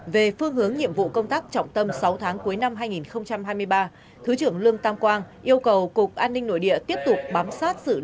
về phương hướng nhiệm vụ công tác trọng tâm sáu tháng cuối năm hai nghìn hai mươi ba thứ trưởng lương tam quang yêu cầu cục an ninh nội địa tiếp tục bám sát